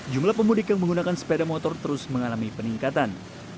jumlah pemudik yang menggunakan sepeda motor terus mengalami peningkatan